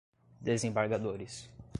desembargadores